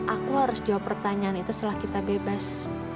aku harus jawab pertanyaan itu setelah kita bebas